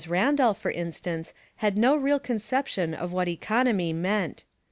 Randolph, for in stance, had no real conception of what economy meant.